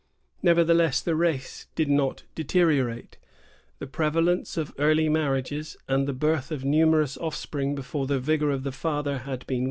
Nevertheless the race did not deteriorate. The pre valence of early marriages, and the birth of numer ous offspring before the vigor of the father had been 1 N.